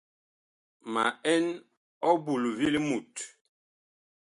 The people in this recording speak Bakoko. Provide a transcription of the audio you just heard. Ma ɛn ɔbul vi limut.